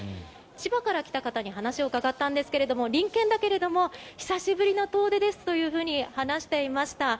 千葉から来た方に話を伺ったんですが隣県だけれども久しぶりの遠出ですというふうに話していました。